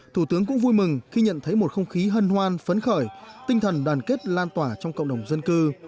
thủ tướng cũng vui mừng khi nhận thấy một không khí hân hoan phấn khởi tinh thần đoàn kết lan tỏa trong cộng đồng dân cư